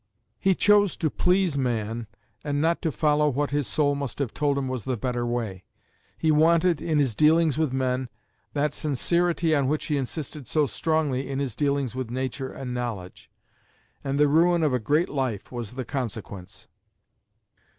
He chose to please man, and not to follow what his soul must have told him was the better way. He wanted, in his dealings with men, that sincerity on which he insisted so strongly in his dealings with nature and knowledge. And the ruin of a great life was the consequence.